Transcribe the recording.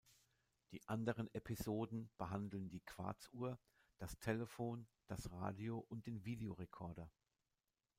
Die anderen Episoden behandeln die Quarzuhr, das Telefon, das Radio und den Videorekorder.